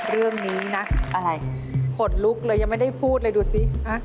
เรื่องนี้นะอะไรขนลุกเลยยังไม่ได้พูดเลยดูสิ